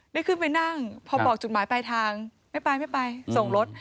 ได้ขึ้นไปนั่งพอบอกจุดหมายปลายทางไม่ไปไม่ไปส่งรถ